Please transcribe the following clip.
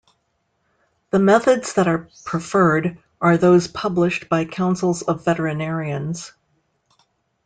The methods that are preferred are those published by councils of veterinarians.